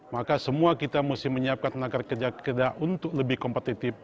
maka semua kita mesti menyiapkan tenaga kerja untuk lebih kompetitif